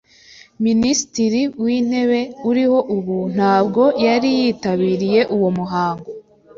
Minisitiri w’intebe uriho ubu ntabwo yari yitabiriye uwo muhango.